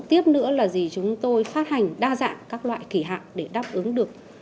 tiếp nữa là gì chúng tôi phát hành đa dạng các loại kỳ hạn để đáp ứng được